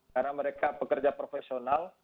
karena mereka pekerja profesional